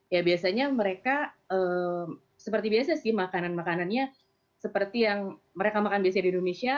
ya biasanya mereka seperti biasa sih makanan makanannya seperti yang mereka makan biasanya di indonesia